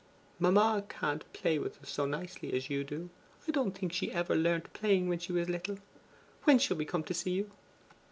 'Mamma can't play with us so nicely as you do. I don't think she ever learnt playing when she was little. When shall we come to see you?